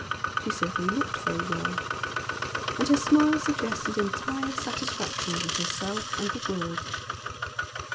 She certainly looked very well, and her smile suggested entire satisfaction with herself and the world.